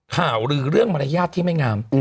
ข่าวลือเรื่องมารยาทที่ไม่งาม